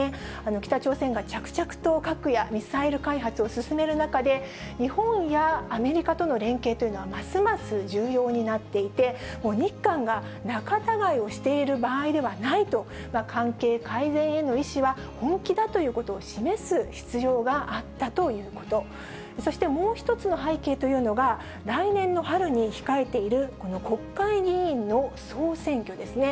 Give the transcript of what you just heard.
北朝鮮が着々と核やミサイル開発を進める中で、日本やアメリカとの連携というのは、ますます重要になっていて、日韓が仲たがいをしている場合ではないと、関係改善への意志は本気だということを示す必要があったということ、そしてもう１つの背景というのが、来年の春に控えているこの国会議員の総選挙ですね。